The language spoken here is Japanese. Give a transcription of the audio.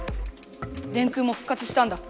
電空もふっ活したんだ。